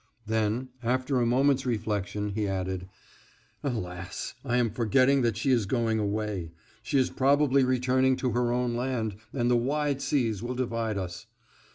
Then, after a moment's reflection, he added: "Alas! I am forgetting that she is going away. She is probably returning to her own land, and the wide seas will divide us.